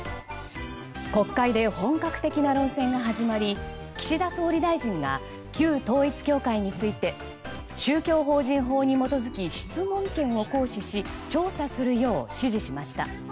国会で本格的な論戦が始まり岸田総理大臣が旧統一教会について宗教法人法に基づき質問権を行使し調査するよう指示しました。